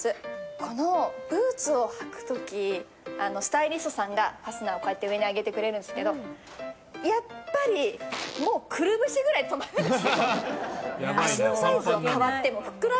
このブーツを履く時スタイリストさんがファスナーを上に上げてくれるんですけどやっぱり、くるぶしくらいで止まるんですよ。